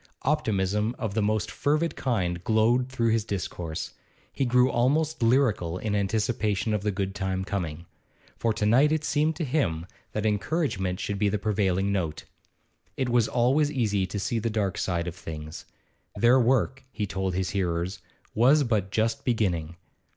Optimism of the most fervid kind glowed through his discourse; he grew almost lyrical in his anticipation of the good time coming. For to night it seemed to him that encouragement should be the prevailing note; it was always easy to see the dark side of things. Their work, he told his hearers, was but just beginning.